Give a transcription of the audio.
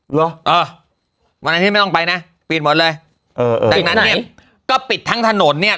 หรอเออวันนี้ไม่ต้องไปนะปิดหมดเลยเออเออปิดไหนก็ปิดทั้งถนนเนี้ย